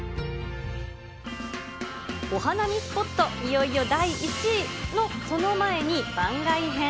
お花見スポット、いよいよ第１位のその前に、番外編。